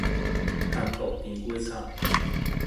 韓國甜粿炒